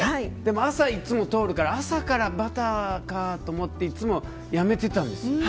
朝いつも通るから朝からバターかと思っていつもやめてたんです。